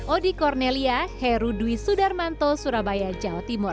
odi cornelia heru dwi sudarmanto surabaya jawa timur